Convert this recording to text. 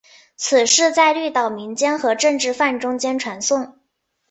此事在绿岛民间和政治犯中间传诵。